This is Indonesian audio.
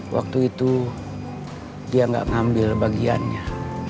waktu itu dia nggak ngambil bagiannya